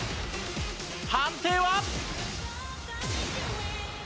判定は。